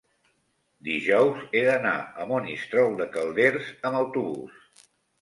dijous he d'anar a Monistrol de Calders amb autobús.